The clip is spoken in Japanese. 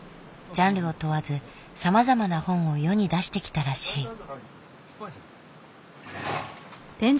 ジャンルを問わずさまざまな本を世に出してきたらしい。